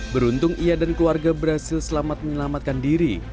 beruntung ia dan keluarga berhasil selamat menyelamatkan diri